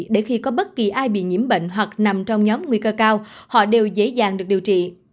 để khi có bất kỳ ai bị nhiễm bệnh hoặc nằm trong nhóm nguy cơ cao họ đều dễ dàng được điều trị